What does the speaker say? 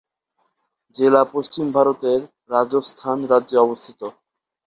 জেলা পশ্চিম ভারতের রাজস্থান রাজ্যে অবস্থিত।